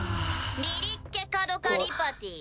リリッケ・カドカ・リパティ。